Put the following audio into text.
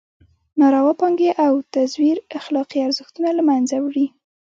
ناروا پانګې او تزویر اخلاقي ارزښتونه له مېنځه وړي.